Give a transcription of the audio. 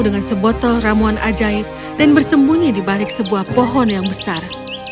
dengan sebotol ramuan ajaib dan bersembunyi di balik sebuah pohon yang besar